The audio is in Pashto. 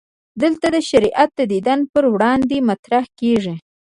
دلته شریعت د دین پر وړاندې مطرح کېږي.